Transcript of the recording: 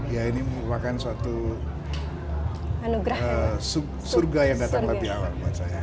ya ini merupakan suatu surga yang datang lebih awal buat saya